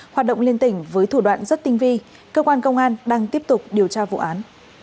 hoạt động liên tỉnh với thủ đoạn rất tinh vi cơ quan công an đang tiếp tục điều tra vụ án